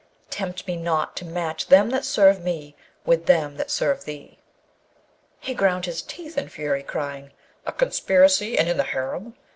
tempt me not to match them that serve me with them that serve thee.' He ground his teeth in fury, crying, 'A conspiracy! and in the harem!